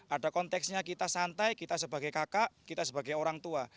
ada konteksnya kita santai kita sebagai kakak kita sebagai orang tua